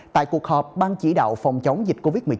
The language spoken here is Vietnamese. tại cuộc họp ban chỉ đạo phòng chống dịch covid một mươi chín